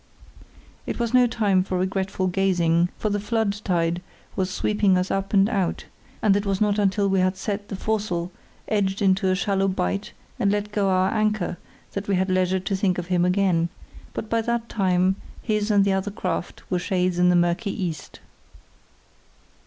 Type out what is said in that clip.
It was no time for regretful gazing, for the flood tide was sweeping us up and out, and it was not until we had set the foresail, edged into a shallow bight, and let go our anchor, that we had leisure to think of him again; but by that time his and the other craft were shades in the murky east.